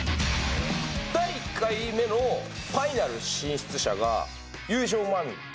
第１回目のファイナル進出者が優勝がザ・マミィ。